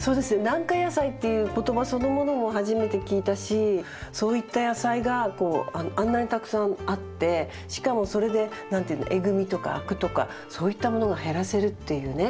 軟化野菜っていう言葉そのものも初めて聞いたしそういった野菜がこうあんなにたくさんあってしかもそれで何て言うのエグみとかアクとかそういったものが減らせるっていうね